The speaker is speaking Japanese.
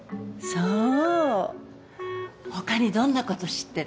そう。